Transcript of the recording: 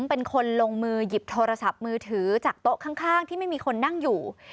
เป็นคนลงมือหยิบโทรศัพท์มือถือจากโต๊ะข้างที่ไม่มีคนนั่งอยู่